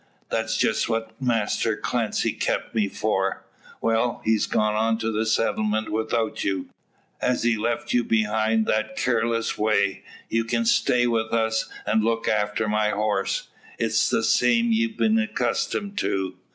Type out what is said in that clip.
"That's just what Masser Clancy kept me for." "Well; he's gone on to the settlement without you. As he's left you behind that careless way, ye can stay with us, an' look after my horse. It's the same ye've been accustomed to.